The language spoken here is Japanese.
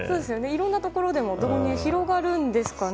いろんなところでも導入広がるんですかね。